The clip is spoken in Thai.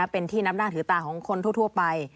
เป็นที่นับหน้าถือตาของคนทั่วไป